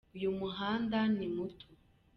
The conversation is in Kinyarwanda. uyu muhanda ni muto.